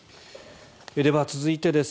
では、続いてです。